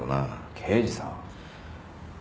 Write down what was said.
刑事さん。